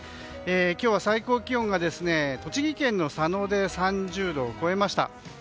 今日は最高気温が栃木県の佐野で３０度を超えました。